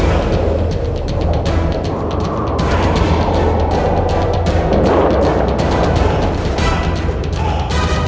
you keep pura pura ke combat disaster empirik